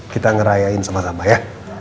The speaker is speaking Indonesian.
kita ngerayain sama sama ya